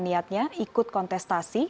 niatnya ikut kontestasi